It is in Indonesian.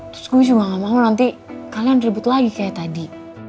terus gue cuma gak mau nanti kalian ribut lagi kayak tadi